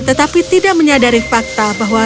tetapi tidak menyadari fakta bahwa